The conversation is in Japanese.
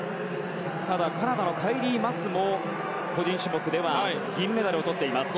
ただ、カナダのカイリー・マスも個人種目では銀メダルを取っています。